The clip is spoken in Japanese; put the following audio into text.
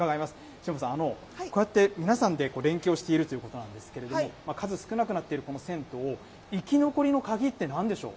新保さん、こうやって皆さんで連携をしているということなんですけれども、数少なくなっているこの銭湯、生き残りの鍵ってなんでしょう。